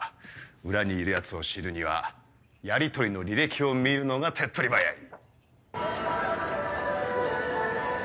裏にいるヤツを知るにはやりとりの履歴を見るのが手っ取り早い！